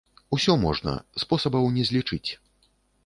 Усё можна, спосабаў не злічыць.